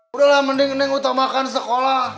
udah lah mending neng utamakan sekolah